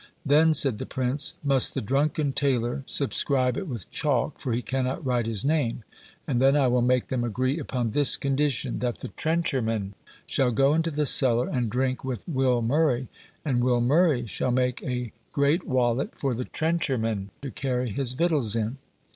"Then," said the prince, "must the drunken tailor subscribe it with chalk, for he cannot write his name, and then I will make them agree upon this condition that the trencherman shall go into the cellar, and drink with Will Murray, and Will Murray shall make a great wallet for the trencherman to carry his victuals in."